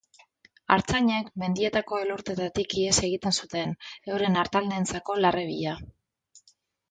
Artzainek mendietako elurteetatik ihes egiten zuten, euren artaldeentzako larre bila.